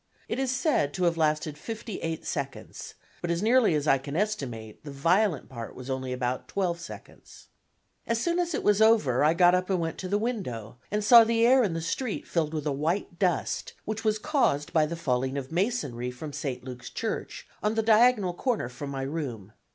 It is said to have lasted fifty eight seconds, but as nearly as I can estimate the violent part was only about twelve seconds. As soon as it was over I got up and went to the window, and saw the air in the street filled with a white dust, which was caused by the falling of masonry from St. Luke's Church on the diagonal corner from my room.